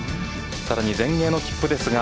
さらに全英の切符ですが